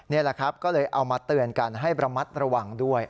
นี่แหละครับก็เลยเอามาเตือนกันให้ระมัดระวังด้วย